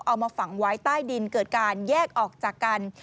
เอามาฝังไว้ใต้ดินเกิดการแยกออกจากกัน